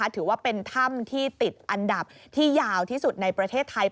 ถือว่าเป็นถ้ำที่ติดอันดับที่ยาวที่สุดในประเทศไทย